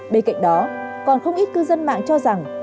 bên cạnh đó còn không ít cư dân mạng cho rằng